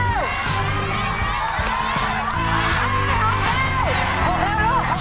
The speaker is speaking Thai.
ดีเร็วเร็วเร็วเร็ว